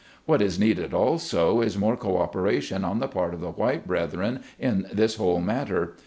What is needed, also, is more co operation on the part of the white brethren in this whole matter.